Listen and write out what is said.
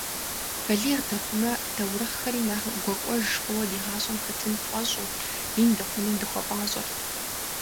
Балигъ дыхъумэ, таурыхъхэри нэхъ гуакӀуэж хъууэ ди гъащӀэм хэтын тфӀэщӀу, ин дыхъуным дыхуэпӀащӀэрт.